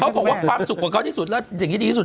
บอกว่าความสุขของเขาที่สุดแล้วสิ่งที่ดีที่สุด